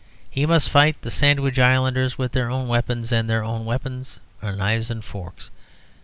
He must fight the Sandwich Islanders with their own weapons; and their own weapons are knives and forks.